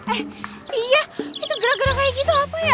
eh iya bisa gerak gerak kayak gitu apa ya